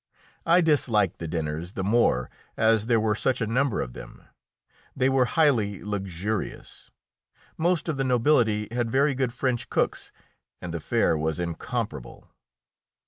I disliked the dinners the more as there were such a number of them. They were highly luxurious; most of the nobility had very good French cooks, and the fare was incomparable.